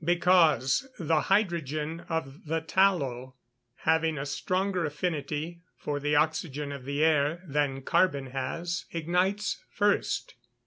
_ Because the hydrogen of the tallow, having a stronger affinity for the oxygen of the air than carbon has, ignites first.